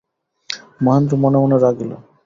মহেন্দ্র মনে মনে রাগিল।